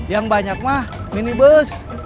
yang banyak mah minibus